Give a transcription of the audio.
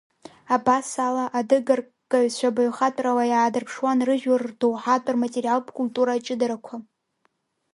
Абасала, адыга рккаҩцәа баҩхатәрала иаадырԥшуан рыжәлар рдоуҳатә, рматериалтә культура аҷыдарақәа.